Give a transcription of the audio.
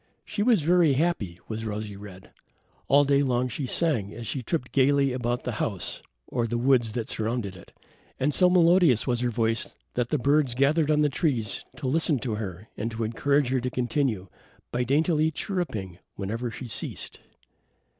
She was very happy, was Rosy red. All day long she sang, as she tripped gaily about the house or the woods that surrounded it, and so melodious was her voice that the birds gathered on the trees to listen to her and to encourage her to continue, by daintily chirruping whenever she ceased.